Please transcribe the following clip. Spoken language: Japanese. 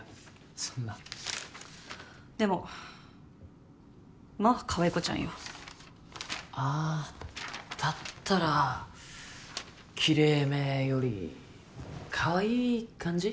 そんなでもまあかわい子ちゃんよああだったらキレイめよりかわいい感じ？